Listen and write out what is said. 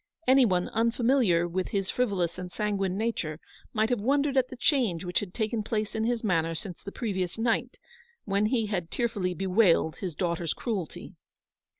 Any one unfamiliar with his frivolous and sanguine nature, might have wondered at the change which had taken place in his manner since the previous night, when he had tearfully bewailed his daughter's cruelty.